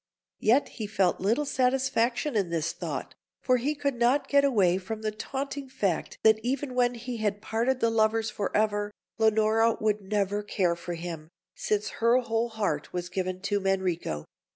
Yet he felt little satisfaction in this thought, for he could not get away from the taunting fact that even when he had parted the lovers for ever, Leonora would never care for him, since her whole heart was given to Manrico.